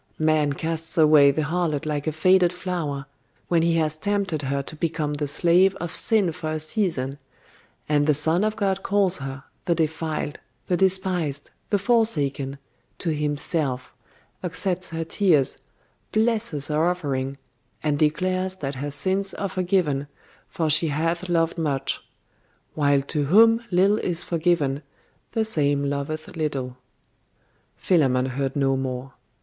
Man casts away the harlot like a faded flower, when he has tempted her to become the slave of sin for a season; and the Son of God calls her, the defiled, the despised, the forsaken, to Himself, accepts her tears, blesses her offering, and declares that her sins are forgiven, for she hath loved much; while to whom little is forgiven the same loveth little....' Philammon heard no more.